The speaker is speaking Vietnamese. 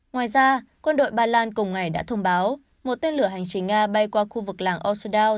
ngoài ra quân đội ba lan cùng ngày đã thông báo một tên lửa hành trình nga bay qua khu vực làng ocedaw